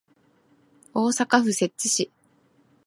大阪府摂津市